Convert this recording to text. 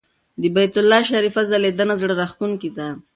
د بیت الله شریفه ځلېدنه زړه راښکونکې ده.